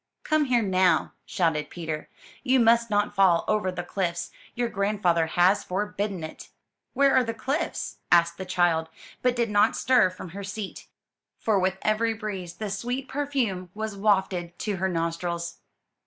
''Come here now/' shouted Peter. *'You must not fall over the cliffs, your grandfather has forbidden it.'' ''Where are the cliffs?" asked the child, but did not stir from her seat; for with every breeze the sweet perfume was wafted to her nostrils.